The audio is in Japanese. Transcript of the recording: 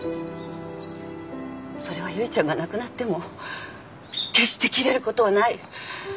それは結衣ちゃんが亡くなっても決して切れることはない。